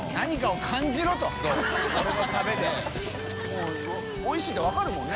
發おいしいって分かるもんね。